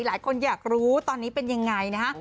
หลายคนอยากรู้ตอนนี้เป็นยังไงนะฮะ